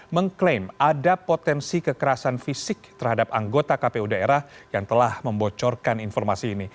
mengklaim ada potensi kekerasan fisik terhadap anggota kpu daerah yang telah membocorkan informasi ini